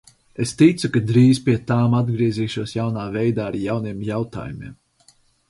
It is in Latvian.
Es ticu, ka drīz pie tām atgriezīšos jaunā veidā ar jauniem jautājumiem.